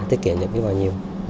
tiết kiệm được với bao nhiêu